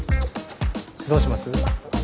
どうします？